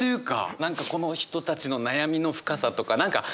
何かこの人たちの悩みの深さとか何か濃厚な感じ？